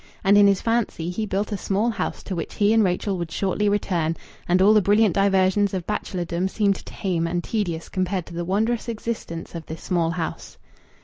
And in his fancy he built a small house to which he and Rachel would shortly return, and all the brilliant diversions of bachelordom seemed tame and tedious compared to the wondrous existence of this small house.